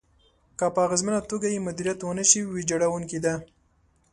که په اغېزمنه توګه يې مديريت ونشي، ويجاړونکې ده.